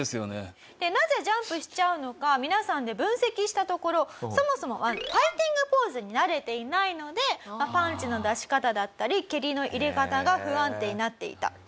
なぜジャンプしちゃうのか皆さんで分析したところそもそもファイティングポーズに慣れていないのでパンチの出し方だったり蹴りの入れ方が不安定になっていた。